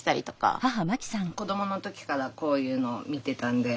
子どもの時からこういうのを見てたんで。